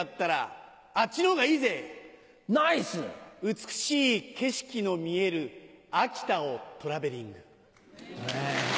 美しい景色の見える秋田をトラベリング。